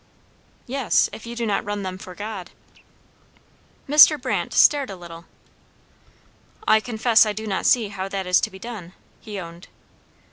"Yes, if you do not run them for God." Mr. Brandt stared a little. "I confess I do not see how that is to be done," he owned.